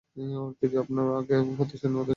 ওর থেকেই আপনার সবার আগে প্রতিশোধ নেওয়া উচিত।